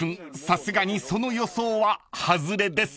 さすがにその予想は外れです］